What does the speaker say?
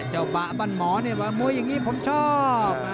เจ้าบะบั้นหมอนี่มันมวยอย่างนี้ผมชอบ